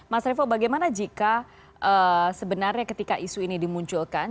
mas revo bagaimana jika sebenarnya ketika isu ini dimunculkan